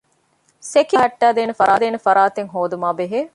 ސެކިއުރިޓީ ބަލައްޓައިދޭނެ ފަރާތެއް ހޯދުމާއި ބެހޭ